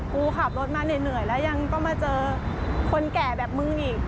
กูขับรถมาเหนื่อยแล้วยังต้องมาเจอคนแก่แบบมึงอีก